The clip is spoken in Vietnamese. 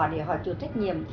để họ chịu trách nhiệm